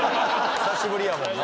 久しぶりやもんな。